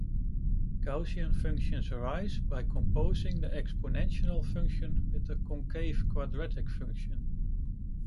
Gaussian functions arise by composing the exponential function with a concave quadratic function.